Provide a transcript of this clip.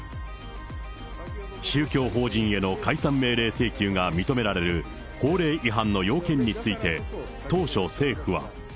宗教法人への解散命令請求が認められる法令違反の要件について、当初、政府は。